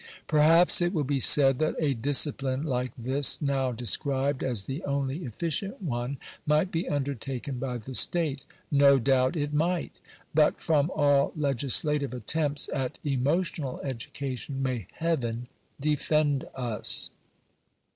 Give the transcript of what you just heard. Perhaps it will be said that a discipline like this now de scribed as the only efficient one, might be undertaken by the state. No doubt it might. But from all legislative attempts at emotional education may Heaven defend us